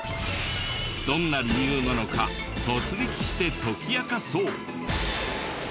どんな理由なのか突撃して解き明かそう！